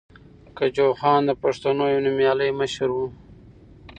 کجوخان د پښتنو یو نومیالی مشر ؤ.